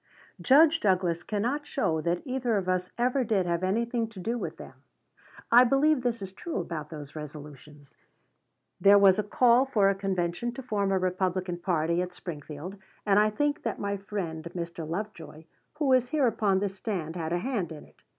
Judge Douglas cannot show that either of us ever did have anything to do with them. I believe this is true about those resolutions: There was a call for a convention to form a Republican party at Springfield; and I think that my friend, Mr. Lovejoy, who is here upon this stand, had a hand in it.